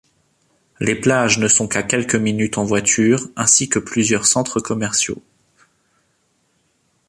Les plages ne sont qu'à quelques minutes en voiture ainsi que plusieurs centres commerciaux.